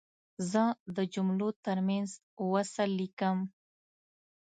زه د جملو ترمنځ وصل لیکم.